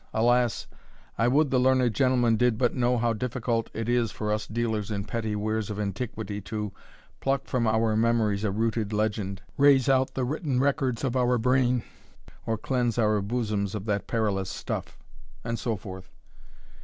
Alas! I would the learned gentleman did but know how difficult it is for us dealers in petty wares of antiquity to Pluck from our memories a rooted "legend," Raze out the written records of our brain. Or cleanse our bosoms of that perilous stuff and so forth.